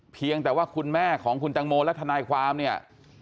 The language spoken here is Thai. เพียงแต่ว่าคุณแม่ของคุณตังโมและทนายความเนี่ย